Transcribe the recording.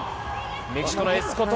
メキシコのエスコト。